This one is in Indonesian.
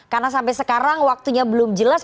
karena sampai sekarang waktunya belum jelas